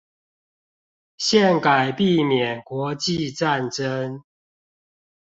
憲改避免國際戰爭